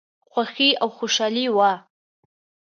خوښي او خوشالي وه.